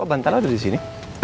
kok bantal ada disini